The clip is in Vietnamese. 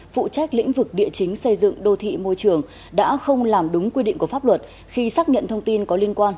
phụ trách lĩnh vực địa chính xây dựng đô thị môi trường đã không làm đúng quy định của pháp luật khi xác nhận thông tin có liên quan